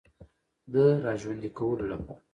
د را ژوندۍ کولو لپاره